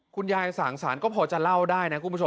คุณยายสางสารก็พอจะเล่าได้นะคุณผู้ชม